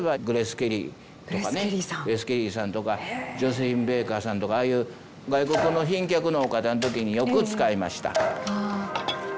グレース・ケリーさんとかジョセフィン・ベーカーさんとかああいう外国の賓客のお方の時によく使いました。